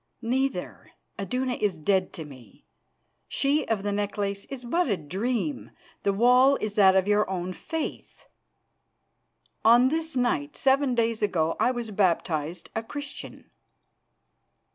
"Neither. Iduna is dead to me; she of the necklace is but a dream. The wall is that of your own faith. On this night seven days ago I was baptised a Christian."